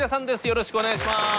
よろしくお願いします。